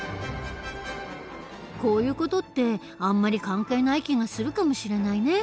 こういう事ってあんまり関係ない気がするかもしれないね。